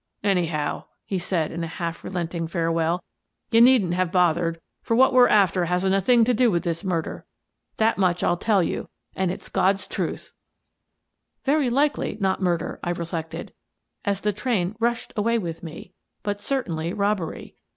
" Anyhow," he said, in a half relenting farewell, " you needn't have bothered, for what we're after hasn't a thing to do with the murder. That much I'll tell you, and it's God's truth." 240 Miss Frances Baird, Detective Very likely not murder, I reflected, as the train rushed away with me, but certainly robbery.